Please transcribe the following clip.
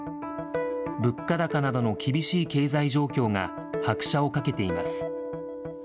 物価高などの厳しい経済状況が拍車をかけています。